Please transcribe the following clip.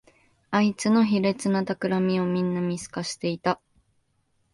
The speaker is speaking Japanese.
あいつの卑劣なたくらみをみんな見透かしていた